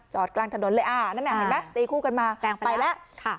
กลางถนนเลยอ่านั่นน่ะเห็นไหมตีคู่กันมาแซงไปแล้วค่ะ